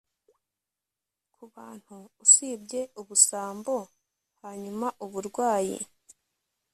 ku bantu usibye ubusambo hanyuma uburwayi